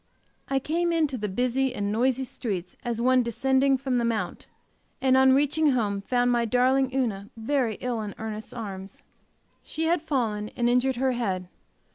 I came into the busy and noisy streets as one descending from the mount, and on reaching home found my darling Una very ill in Ernest's arms. She had fallen, and injured her head.